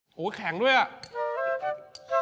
โอโหแข็งด้วยฮะ